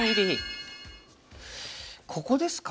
ここですか？